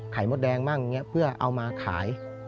ไข่มดแดงบ้างเพื่อเอามาขาย